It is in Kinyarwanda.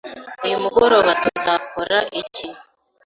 Uyu mugoroba tuzakora iki?